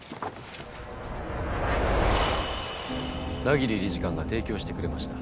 百鬼理事官が提供してくれました。